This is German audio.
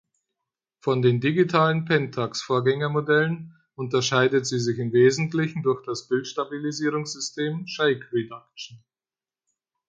Von den digitalen Pentax-Vorgängermodellen unterscheidet sie sich im Wesentlichen durch das Bildstabilisierungs-System "Shake Reduction".